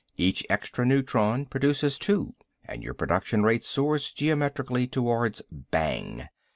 Each extra neutron produces two and your production rate soars geometrically towards bang.